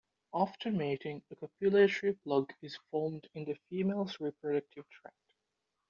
After mating, a copulatory plug is formed in the female's reproductive tract.